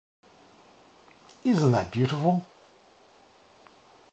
Isn’t that beautiful?